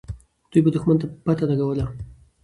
دوی به دښمن ته پته لګوله.